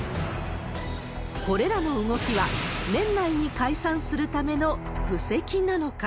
これらの動きは、年内に解散するための布石なのか？